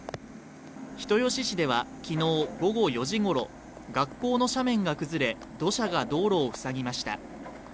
人吉市では昨日午後４時ごろ学校の斜面が崩れ土砂が道路を塞ぎました。